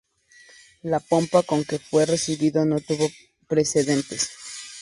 La pompa con que fue recibido no tuvo precedentes.